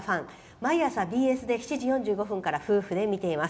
毎朝ＢＳで７時４５分から夫婦で見ています。